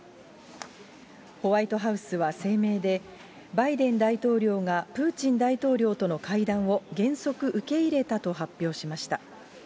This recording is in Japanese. ホワイトハウスは声明で、バイデン大統領がプーチン大統領との会談を原則受け入れたと発表しました。